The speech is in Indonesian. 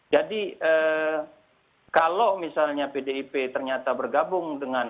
jadi kalau misalnya pdip ternyata bergabung dengan